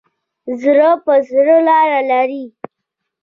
زړه په زړه لار لري.